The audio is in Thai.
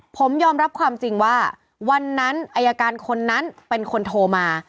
ผมยอมรับความจริงว่าวันนั้นอายการคนนั้นเป็นคนโทรมา